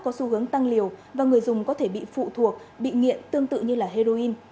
có xu hướng tăng liều và người dùng có thể bị phụ thuộc bị nghiện tương tự như là heroin